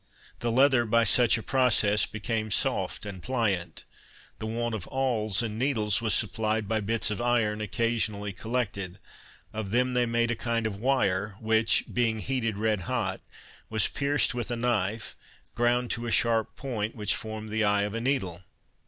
The leather, by such a process, became soft and pliant. The want of awls and needles was supplied by bits of iron occasionally collected; of them they made a kind of wire, which, being heated red hot, was pierced with a knife, ground to a sharp point, which formed the eye of a needle.